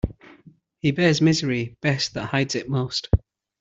He bears misery best that hides it most.